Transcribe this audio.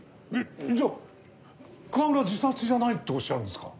じゃあ川村は自殺じゃないって仰るんですか？